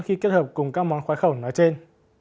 khi kết hợp cùng các món khoái khẩu nói trên